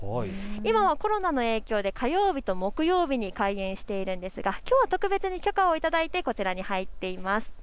今はコロナの影響で火曜日と木曜日に開園しているんですがきょうは特別に許可をいただいてこちらに入っています。